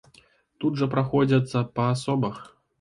Тут жа праходзяцца па асобах.